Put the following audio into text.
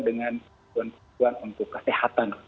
dengan kebutuhan kebutuhan untuk kesehatan